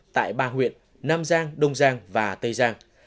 tại ba huyện nam giang đông giang và tây giang